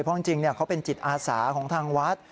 เพราะจริงเขาเป็นจิตอาสาของทางวัด